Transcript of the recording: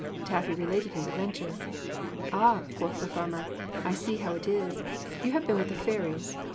Taffy related his adventure. 'Ah,' quoth the farmer, 'I see how it is you have been with the fairies.